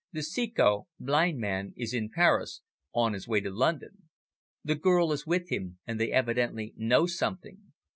The Ceco (blind man) is in Paris, on his way to London. The girl is with him, and they evidently know something.